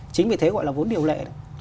chính vì thế gọi là vốn điều lệ